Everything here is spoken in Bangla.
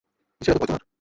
কীসের এত ভয় তোমার?